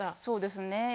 そうですね。